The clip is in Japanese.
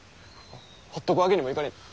ほっとくわけにもいかねぇ。